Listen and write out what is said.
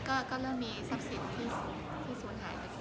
แต่เราก็เริ่มมีทรัพย์ศิษย์ที่สวนหายไปก็คืน